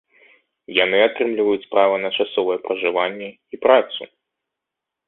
Яны атрымліваюць права на часовае пражыванне і працу.